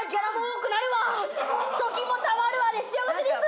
貯金もたまるわで幸せです。